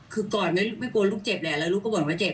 คือก่อนนั้นไม่กลัวลูกเจ็บแหละแล้วลูกก็บ่นว่าเจ็บ